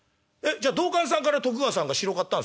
じゃあ道灌さんから徳川さんが城買ったんすか？」。